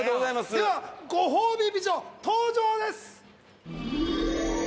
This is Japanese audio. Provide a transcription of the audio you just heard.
ではご褒美美女登場です！